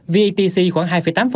vatc khoảng hai tám